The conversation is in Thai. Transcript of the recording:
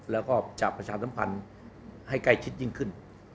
แล้วก็จะประชาสัมพันธ์ให้ใกล้ชิดยิ่งขึ้น